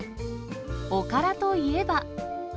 おからといえば。